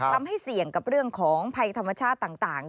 ทำให้เสี่ยงกับเรื่องของภัยธรรมชาติต่าง